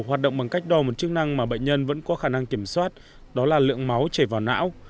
hoạt động bằng cách đo một chức năng mà bệnh nhân vẫn có khả năng kiểm soát đó là lượng máu chảy vào não